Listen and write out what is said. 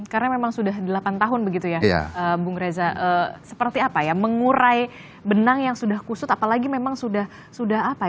karena memang sudah delapan tahun begitu ya bung reza seperti apa ya mengurai benang yang sudah kusut apalagi memang sudah apa ya sudah berapa tahun